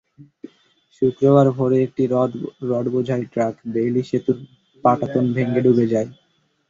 শুক্রবার ভোরে একটি রডবোঝাই ট্রাক বেইলি সেতুর পাটাতন ভেঙে ডুবে যায়।